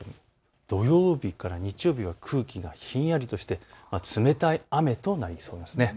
土曜日から日曜日は空気がひんやりとして冷たい雨となりそうです。